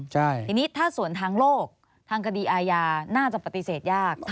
ทีนี้ถ้าส่วนทางโลกทางคดีอาญาน่าจะปฏิเสธยาก